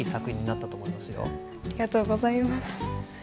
ありがとうございます。